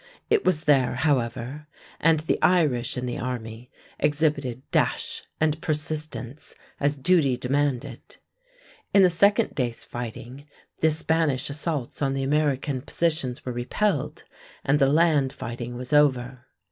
It was there, however, and the Irish in the army exhibited dash and persistence, as duty demanded. In the second day's fighting the Spanish assaults on the American positions were repelled, and the land fighting was over.